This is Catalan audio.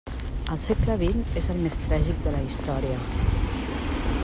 El segle vint és el més tràgic de la història.